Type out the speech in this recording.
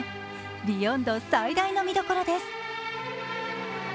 「ＢＥＹＯＮＤ」最大の見どころです。